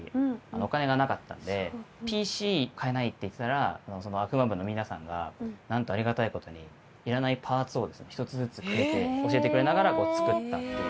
お金がなかったんで「ＰＣ買えない」って言ってたらそのアフマ部の皆さんがなんとありがたい事にいらないパーツをですね一つずつくれて教えてくれながら作ったっていう。